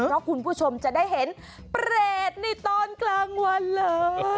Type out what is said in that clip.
เพราะคุณผู้ชมจะได้เห็นเปรตในตอนกลางวันเลย